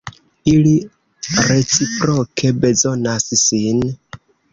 Ili reciproke bezonas sin.